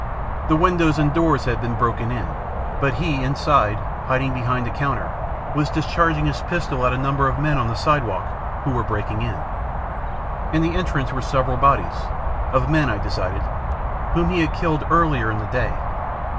The windows and doors had been broken in, but he, inside, hiding behind a counter, was discharging his pistol at a number of men on the sidewalk who were breaking in. In the entrance were several bodies of men, I decided, whom he had killed earlier in the day.